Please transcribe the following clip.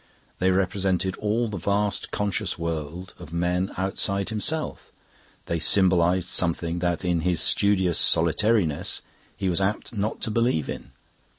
They represented all the vast conscious world of men outside himself; they symbolised something that in his studious solitariness he was apt not to believe in.